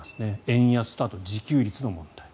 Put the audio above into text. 円安と自給率の問題。